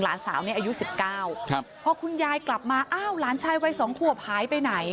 หลานสาวเนี้ยอายุสิบเก้าครับพอคุณยายกลับมาอ้าวหลานชายวัยสองขวบหายไปไหน